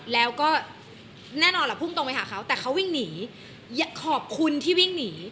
แล้วก็แน่นอนล่ะพุ่งตรงไปหาเขาแต่เขาวิ่งหนีขอบคุณที่วิ่งหนี